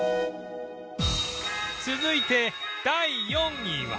続いて第４位は